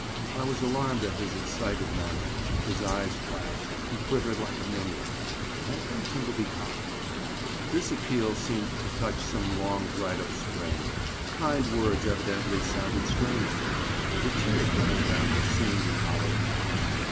I was alarmed at his excited manner; his eyes flashed, he quivered like a maniac, and I begged him to be calm. This appeal seemed to touch some long dried up spring; kind words evidently sounded strange to him, and a tear trickled down his seamed and hollow cheeks.